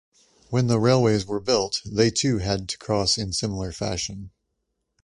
When the railways were built, they too had to cross in similar fashion.